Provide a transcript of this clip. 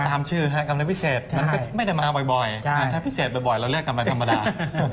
ตามชื่อกำไรพิเศษมันก็ไม่ได้มาบ่อยถ้าพิเศษบ่อยเราเรียกกำไรธรรมดา